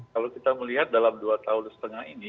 kalau kita melihat dalam dua tahun setengah ini